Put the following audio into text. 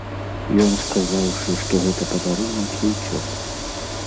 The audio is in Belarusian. Ён сказаўшы, што гэта падарунак, і ўцёк.